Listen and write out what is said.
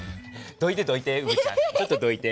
どいてどいてうぶちゃんちょっとどいて。